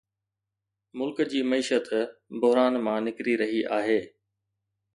ملڪ جي معيشت بحران مان نڪري رهي آهي